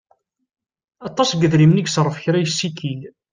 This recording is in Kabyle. Aṭas n yedrimen i iṣerref kra yessikil.